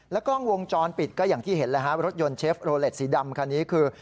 กล้องวงจรปิดก็อย่างที่เห็นแล้วฮะรถยนต์เชฟโรเล็ตสีดำคันนี้คือ